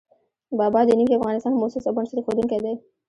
بابا د نوي افغانستان مؤسس او بنسټ اېښودونکی دی.